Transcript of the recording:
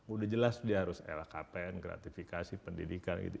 udah jelas dia harus lkpn gratifikasi pendidikan gitu